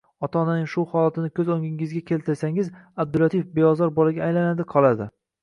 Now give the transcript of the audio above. Ota-bolaning shu holatini ko‘z o‘ngingizga keltirsangiz — Abdulatif beozor bolaga aylanadi-qoladi